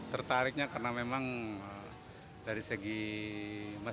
sampai dengan demo yang modern seperti sekarang ini loh mbak